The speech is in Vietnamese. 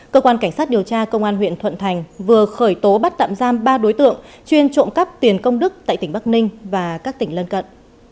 cơ quan cảnh sát điều tra công an huyện thuận thành vừa khởi tố bắt tạm giam ba đối tượng chuyên trộm cắp tiền công đức tại tỉnh bắc ninh và các tỉnh lân cận